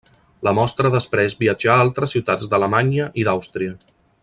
La mostra després viatjà a altres ciutats d'Alemanya i d'Àustria.